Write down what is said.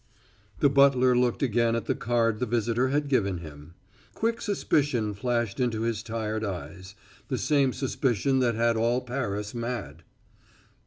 The butler looked again at the card the visitor had given him. Quick suspicion flashed into his tired eyes the same suspicion that had all Paris mad.